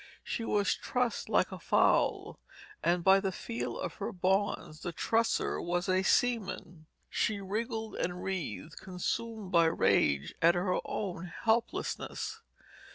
She was trussed like a fowl, and by the feel of her bonds, the trusser was a seaman. She wriggled and writhed, consumed by rage at her own helplessness.